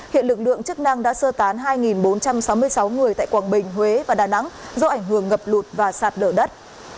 hiện lực lượng chức năng đã sơ tán hai bốn trăm sáu mươi sáu người tại quảng bình huế và đà nẵng do ảnh hưởng ngập lụt và sạt lở đất